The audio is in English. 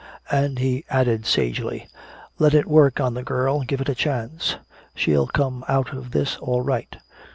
And he added sagely, "Let it work on the girl, give it a chance. She'll come out of this all right.